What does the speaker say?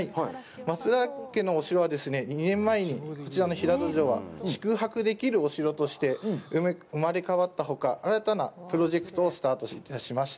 松浦家のお城は、２年前にこちらの平戸城は宿泊できるお城として生まれ変わったほか、新たなプロジェクトをスタートしました。